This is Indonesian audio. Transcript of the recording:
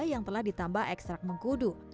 yang telah ditambah ekstrak mengkudu